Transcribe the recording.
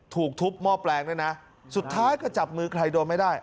ถูกทุบหม้อแปลงด้วยนะสุดท้ายก็จับมือใครโดนไม่ได้